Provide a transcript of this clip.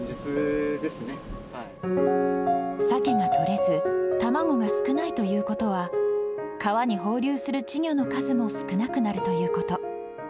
サケが取れず、卵が少ないということは、川に放流する稚魚の数も少なくなるということ。